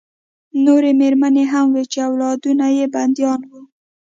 نورې مېرمنې هم وې چې اولادونه یې بندیان وو